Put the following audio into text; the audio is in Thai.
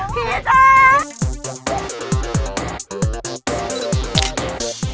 พี่รัก